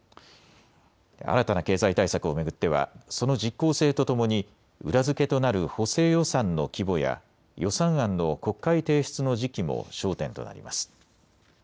新たな経済対策を巡ってはその実効性とともに裏付けとなる補正予算の規模や予算案の国会提出の時期も焦点となります。